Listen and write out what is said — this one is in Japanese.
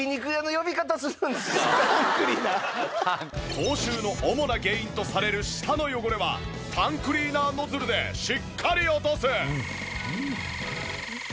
口臭の主な原因とされる舌の汚れはタンクリーナーノズルでしっかり落とす。